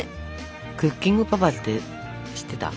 「クッキングパパ」って知ってた？